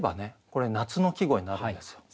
これ夏の季語になるんですよ。